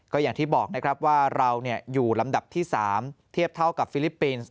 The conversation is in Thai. ก็อย่างที่บอกนะครับว่าเราอยู่ลำดับที่๓เทียบเท่ากับฟิลิปปินส์